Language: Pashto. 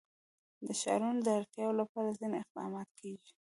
د ښارونو د اړتیاوو لپاره ځینې اقدامات کېږي.